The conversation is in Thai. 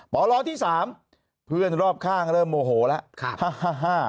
ปลที่๓เพื่อนรอบข้างเริ่มโมโหละฮ่า